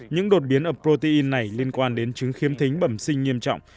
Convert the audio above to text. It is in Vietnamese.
những đột biến ở protein này liên quan đến chứng khiếm thính bẩm sinh nghiêm trọng